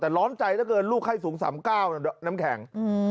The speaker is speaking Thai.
แต่ร้อนใจเยอะเกินลูกไข่สูง๓๙น้ำแข่ง